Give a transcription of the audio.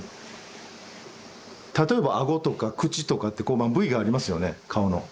例えば顎とか口とかってこうまあ部位がありますよね顔の。